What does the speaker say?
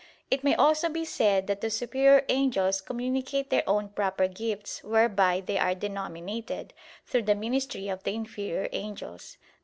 It may also be said that the superior angels communicate their own proper gifts whereby they are denominated, through the ministry of the inferior angels.